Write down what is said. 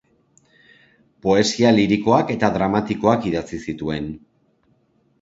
Poesia lirikoak eta dramatikoak idatzi zituen.